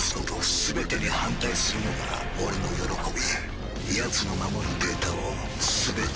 全てに反対するのが俺の喜びやつの守るデータを全て奪うのだ！